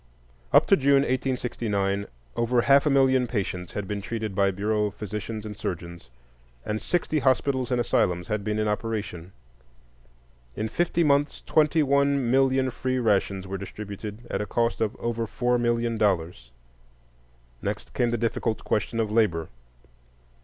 Up to June, 1869, over half a million patients had been treated by Bureau physicians and surgeons, and sixty hospitals and asylums had been in operation. In fifty months twenty one million free rations were distributed at a cost of over four million dollars. Next came the difficult question of labor.